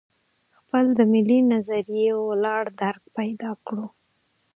خپل د ملي نظریه ولاړ درک پیدا کړو.